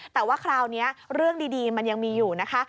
แต่ว่าคราวนี้เรื่องดีมันยังมีอยู่นะคะ